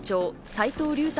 斎藤竜太